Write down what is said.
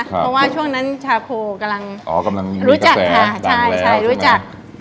เพราะว่าช่วงนั้นชาโคกำลังอ๋อกำลังมีกระแสต่างแล้วใช่ไหมรู้จักค่ะใช่ใช่รู้จัก